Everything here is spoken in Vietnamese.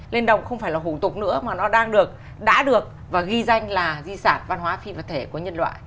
lên đồng không phải là hủ tục nữa mà nó đang được đã được và ghi danh là di sản văn hóa phi vật thể của nhân loại